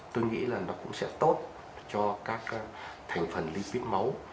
tôi nghĩ là nó cũng sẽ tốt cho các thành phần lipid máu